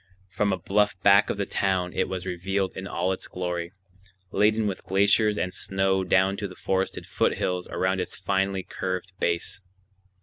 From a bluff back of the town it was revealed in all its glory, laden with glaciers and snow down to the forested foothills around its finely curved base.